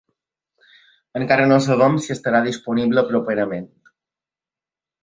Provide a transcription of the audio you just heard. Encara no sabem si estarà disponible properament.